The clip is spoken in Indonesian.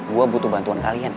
gue butuh bantuan kalian